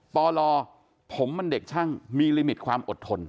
ปลผมมันเด็กช่างมีลิมิตความอดทน